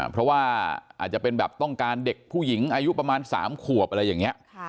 เพราะว่าอาจจะเป็นแบบต้องการเด็กผู้หญิงอายุประมาณ๓ขวบอะไรอย่างนี้